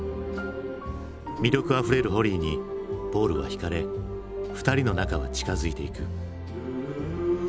魅力あふれるホリーにポールはひかれ２人の仲は近づいていく。